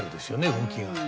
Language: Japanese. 動きが。